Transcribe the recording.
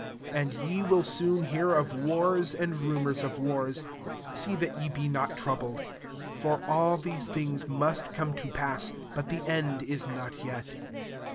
6 And ye will soon hear of wars and rumours of wars : see that ye be not troubled : for [all] these thinga must come to pass, but the end is not yet.